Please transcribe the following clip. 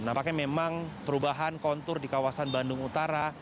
nah makanya memang perubahan kontur di kawasan bandung utara